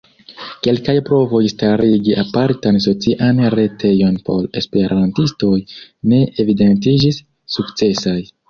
Kelkaj provoj starigi apartan socian retejon por esperantistoj ne evidentiĝis sukcesaj.